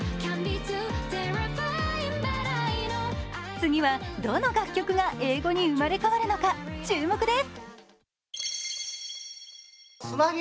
次はどの楽曲が英語に生まれ変わるのか、注目です。